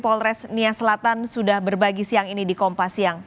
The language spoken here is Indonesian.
polres nia selatan sudah berbagi siang ini di kompas siang